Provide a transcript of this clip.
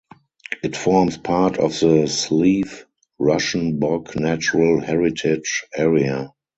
It forms part of the Slieve Rushen Bog Natural Heritage Area.